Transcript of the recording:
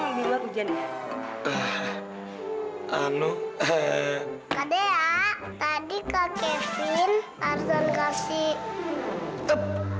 enggak kekelinan kasih